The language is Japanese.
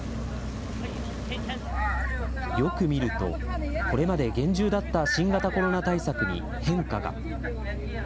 よく見ると、これまで厳重だった新型コロナ対策に変化が。